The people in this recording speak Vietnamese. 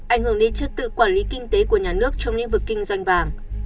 ảnh hưởng đến chất tự quản lý kinh tế của nhà nước trong lĩnh vực kinh doanh vàng